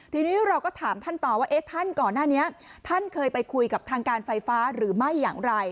ทีนี้เราก็ถามท่านต่อว่าท่านก่อนหน้านี้ท่านเคยไปคุยกับทางการไฟฟ้าหรือไม่อย่างไร